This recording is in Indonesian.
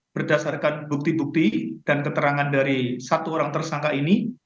berdasarkan bukti bukti dan keterangan dari satu orang tersangka ini